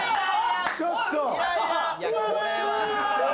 ちょっと！